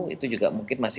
itu juga mungkin masih